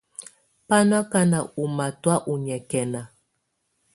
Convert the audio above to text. Bá nɔ́ ákáná ɔ́ matɔ̀á ɔ́ nyɛ́kɛna.